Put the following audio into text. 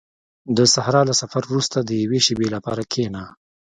• د صحرا له سفر وروسته د یوې شېبې لپاره کښېنه.